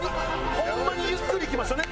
ホンマにゆっくりいきましょうね。